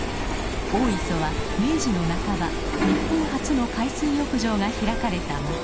大磯は明治の半ば日本初の海水浴場が開かれた町。